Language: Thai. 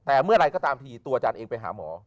แต่เมื่อไหร่ก็ตามทีตัวอาจารย์เองไปหาหมอ